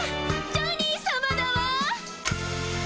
ジョニーさまだわ！